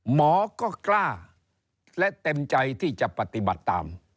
หมอก็กล้าและเต็มใจที่จะปฏิบัติตาม